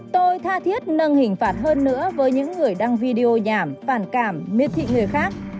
tôi tha thiết nâng hình phạt hơn nữa với những người đăng video nhảm phản cảm miệt thị người khác